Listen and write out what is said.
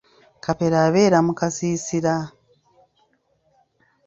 Kapere abeera mu kasiisira.